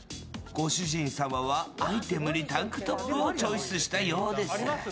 ご主人様はアイテムにタンクトップをチョイスしたようです。